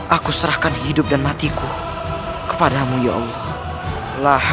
aku serahkan hidup dan matiku kepadamu ya allah